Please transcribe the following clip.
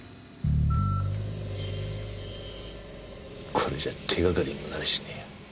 これじゃ手掛かりにもなりゃしねえや。